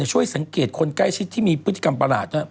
ช่วยสังเกตคนใกล้ชิดที่มีพฤติกรรมประหลาด